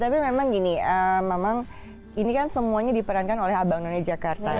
tapi memang gini memang ini kan semuanya diperankan oleh abang none jakarta